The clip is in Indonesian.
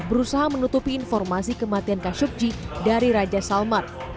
berusaha menutupi informasi kematian khashogji dari raja salman